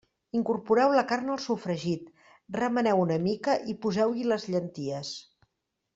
Incorporeu la carn al sofregit, remeneu una mica i poseu-hi les llenties.